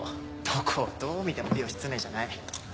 どこをどう見ても義経じゃない。